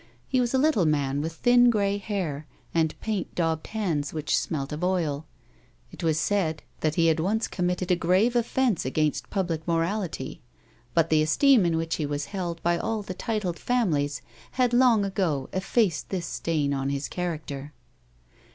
He was a little man with thin grey hair and paint daubed hands which smelt of oil. It was said that he had once A WOMAN'S LIFE. committed a grave offence against public morality, but the esteem in which he was held by all the titled families had long ago effaced this stain on his character.